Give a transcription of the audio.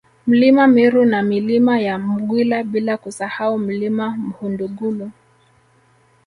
Mlima Meru na Milima ya Mgwila bila kusahau Mlima Mhundugulu